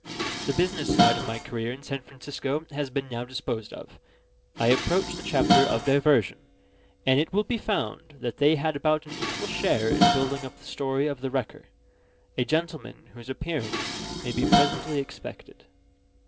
The business side of my career in San Francisco has been now disposed of; I approach the chapter of diversion; and it will be found they had about an equal share in building up the story of the Wrecker a gentleman whose appearance may be presently expected.